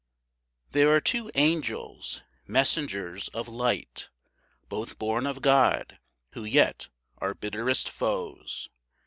There are two angels, messengers of light, Both born of God, who yet are bitterest foes.